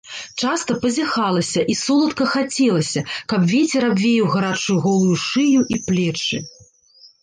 Часта пазяхалася і соладка хацелася, каб вецер абвеяў гарачую голую шыю і плечы.